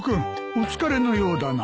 お疲れのようだな。